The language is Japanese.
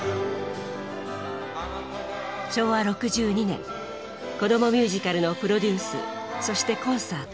昭和６２年子どもミュージカルのプロデュースそしてコンサート。